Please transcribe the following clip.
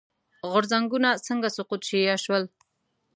غورځنګونه څنګه سقوط شي یا شول.